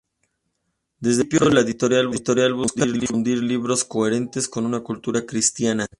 Desde el principio, la editorial busca difundir libros coherentes con una cultura cristiana.